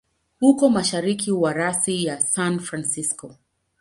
Uko mashariki ya rasi ya San Francisco.